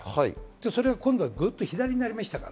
それが今回、ぐっと左寄りになりましたから。